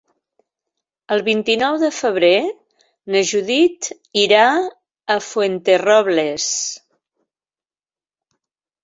El vint-i-nou de febrer na Judit irà a Fuenterrobles.